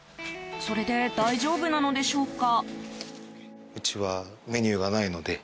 それで大丈夫なのでしょうか？